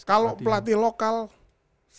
kalau pelatih lokal semua bagus